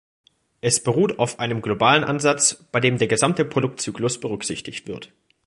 Es beruht auf einem globalen Ansatz, bei dem der gesamte Produktzyklus berücksichtigt wird.